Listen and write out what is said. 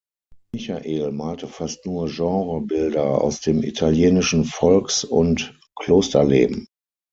Michael malte fast nur Genrebilder aus dem italienischen Volks- und Klosterleben.